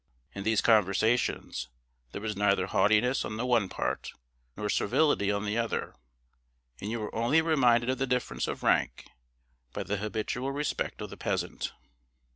In these conversations there was neither haughtiness on the one part, nor servility on the other, and you were only reminded of the difference of rank by the habitual respect of the peasant.